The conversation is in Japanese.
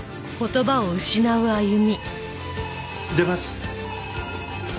出ます。